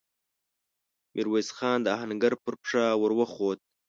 ميرويس خان د آهنګر پر پښه ور وخووت.